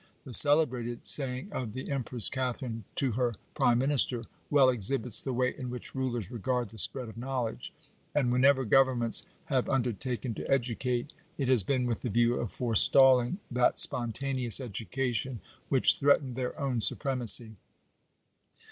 The celebrated saying of the Empress Catharine to her prime minister, well exhibits the way in which rulers regard the spread of knowledge. And whenever governments have under taken to educate, it has been with the view of forestalling that spontaneous education which threatened their own supremacy.